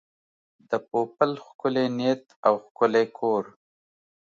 د پوپل ښکلی نیت او ښکلی کور.